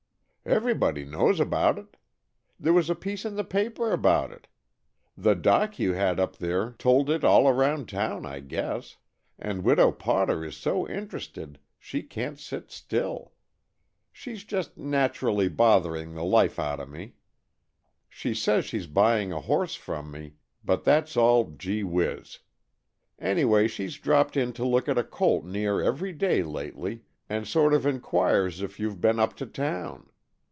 "Everybody knows about it. There was a piece in the paper about it. The Doc you had up there told it all around town, I guess. And Widow Potter is so interested she can't sit still. She's just naturally bothering the life out of me. She says she's buying a horse from me, but that's all gee whiz. Anyway, she's dropped in to look at a colt near every day lately, and sort of enquires if you've been up to town.